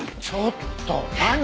ちょっと何？